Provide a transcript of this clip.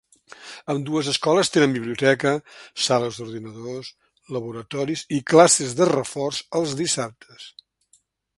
Ambdues escoles tenen biblioteca, sales d'ordinadors, laboratoris i classes de reforç els dissabtes.